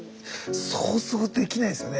想像できないですよね。